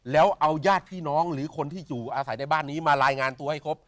แล้วเอาญาติพี่น้องหรือคนที่อยู่อาศัยในบ้านนี้มารายงานตัวให้ครบ